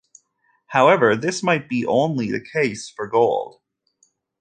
However, this might be only the case for gold.